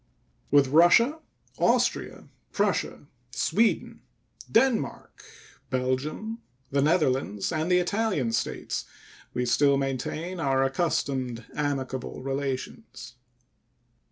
With Russia, Austria, Prussia, Sweden, Denmark, Belgium, the Netherlands, and the Italian States we still maintain our accustomed amicable relations.